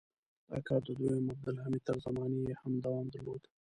دا کار د دویم عبدالحمید تر زمانې یې هم دوام درلود.